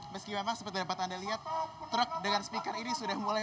meski memang seperti dapat anda lihat truk dengan speaker ini sudah mulai